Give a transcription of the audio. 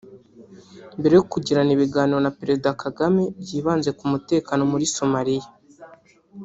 mbere yo kugirana ibiganiro na Perezida Kagame byibanze ku mutekano muri Somalia